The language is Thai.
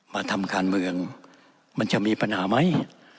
มาทำการเมืองมันจะมีปัญหาไหม